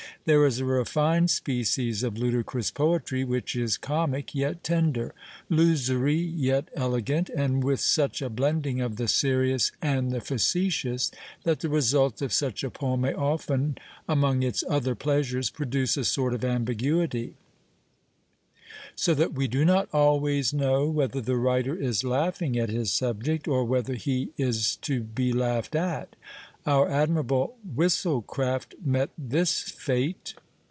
There is a refined species of ludicrous poetry, which is comic yet tender, lusory yet elegant, and with such a blending of the serious and the facetious, that the result of such a poem may often, among its other pleasures, produce a sort of ambiguity; so that we do not always know whether the writer is laughing at his subject, or whether he is to be laughed at. Our admirable Whistlecraft met this fate!